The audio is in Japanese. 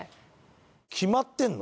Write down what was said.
決まってるの？